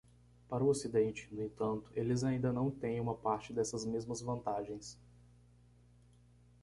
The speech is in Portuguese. Para o Ocidente, no entanto, eles ainda não têm uma parte dessas mesmas vantagens.